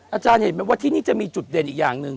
อาจารย์เห็นไหมว่าที่นี่จะมีจุดเด่นอีกอย่างหนึ่ง